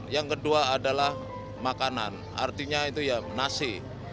yang kedua adalah makanan artinya itu ya nasi